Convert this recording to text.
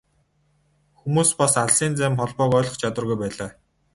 Хүмүүс бас алсын зайн холбоог ойлгох чадваргүй байлаа.